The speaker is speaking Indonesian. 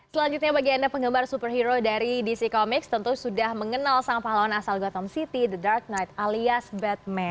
selanjutnya bagi anda penggemar superhero dari dc comics tentu sudah mengenal sang pahlawan asal gotham city the dark night alias badman